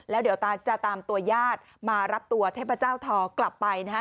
แล้วเดี๋ยวจะตามตัวญาติมารับตัวเทพเจ้าทอกลับไปนะฮะ